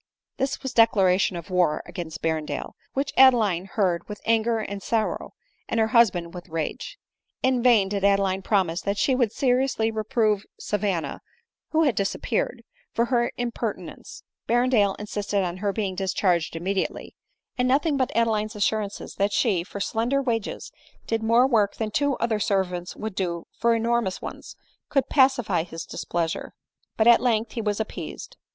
This was a declaration of war against Berrendale, which Adeline heard with anger and sorrow, and her husband with rage. In vain did Adeline promise that she would seriously reprove Savanna, (who had disap peared) for her impertinence; Berrendale insisted on her being discharged immediately; and nothing but Ade line's assurances that she, for slender wages, did more work than two other servants would do for enormous ones, could pacify his displeasure ; but at length he was appeased.